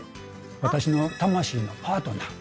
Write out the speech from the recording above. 「私の魂のパートナー」